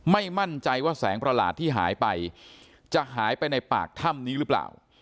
ไม่มั่นใจว่าแสงประหลาดที่หายไปจะหายไปในปากถ้ำนี้หรือเปล่า